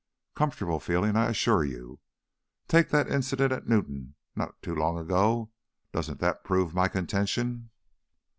Comfortable feeling, I assure you. Take that incident at New town, not long ago; doesn't that prove my contention?"